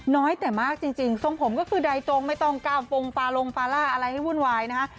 น้อยแต่มากจริงทรงผมก็คือใดจงไม่ต้องกล้ามฟงฟาลงฟาล่าอะไรให้วุ่นวายนะฮะ